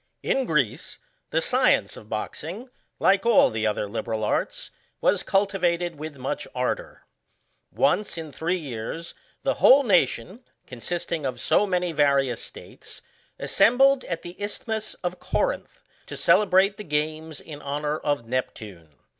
In Greece, the science of boxing, like all the other liberal arts, was cultivated with much ardour. Digitized by VjOOQIC SKETCHES OF Fr(5ILISM. Once in three years the whole nation, consisting of so many various states, assembled at the isthmus of Corinth, to celebrate the games in honour of Nep tune.